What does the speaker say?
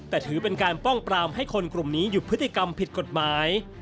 แต่ถือเป็นการป้องปรามให้คนกลุ่มนี้หยุดพฤติกรรมผิดกฎหมาย